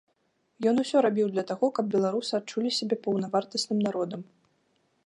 Ён усё рабіў для таго, каб беларусы адчулі сябе паўнавартасным народам.